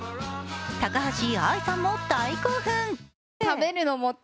高橋愛さんも大興奮。